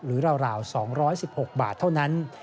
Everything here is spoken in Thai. ราว๒๑๖บาทเท่านั้น